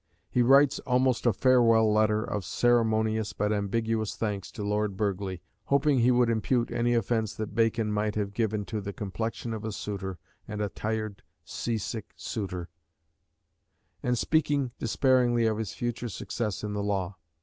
He writes almost a farewell letter of ceremonious but ambiguous thanks to Lord Burghley, hoping that he would impute any offence that Bacon might have given to the "complexion of a suitor, and a tired sea sick suitor," and speaking despairingly of his future success in the law.